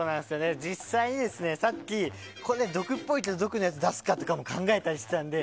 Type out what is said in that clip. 実際にさっきこれ毒っぽいけど毒のやつを出すかとかも考えたりしてたので。